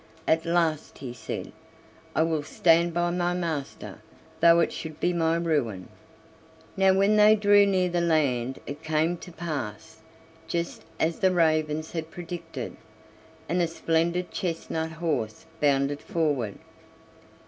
At last he said: "I will stand by my master, though it should be my ruin." Now when they drew near the land it came to pass just as the ravens had predicted, and a splendid chestnut horse bounded forward.